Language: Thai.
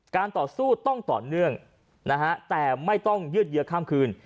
การต่อสู้ต้องต่อเนื่องแต่ไม่ต้องยืดเยื้อข้ามคืน